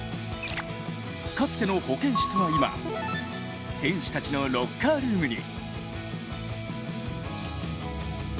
かつての保健室は今、選手たちのロッカールームに。